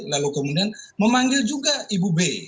lalu kemudian memanggil juga ibu b